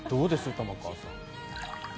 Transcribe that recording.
玉川さん。